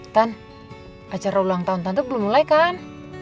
tan acara ulang tahun tante belum mulai kan